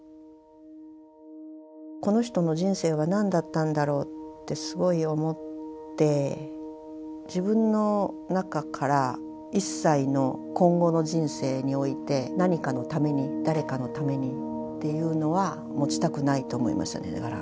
この人の人生は何だったんだろうってすごい思って自分の中から一切の今後の人生において何かのために誰かのためにっていうのは持ちたくないと思いましたね。